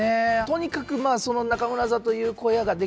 とにかくその中村座という小屋が出来た。